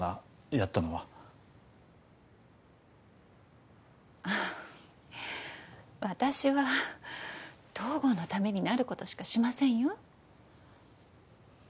やったのはあっ私は東郷のためになることしかしませんよ